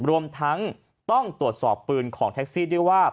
รวมทั้งต้องตรวจสอบปืนของแท็กซี่ด้วยว่า